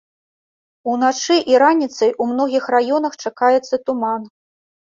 Уначы і раніцай у многіх раёнах чакаецца туман.